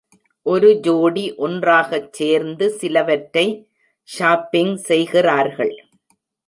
ஒரு ஜோடி ஒன்றாகச் சேர்ந்து சிலவற்றை ஷாப்பிங் செய்கிறார்கள்